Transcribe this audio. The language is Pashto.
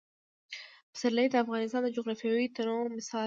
پسرلی د افغانستان د جغرافیوي تنوع مثال دی.